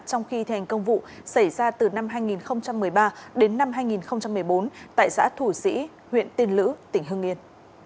trong khi thành công vụ xảy ra từ năm hai nghìn một mươi ba đến năm hai nghìn một mươi bốn tại xã thủ sĩ huyện tiên lữ tỉnh hương yên